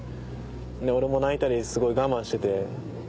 で俺も泣いたりすごい我慢してて。